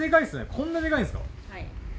こんなでかいんですか。